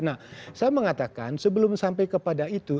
nah saya mengatakan sebelum sampai kepada itu